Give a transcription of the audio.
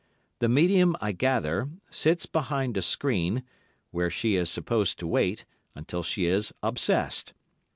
The medium, I gather, sits behind a screen, where she is supposed to wait, until she is obsessed.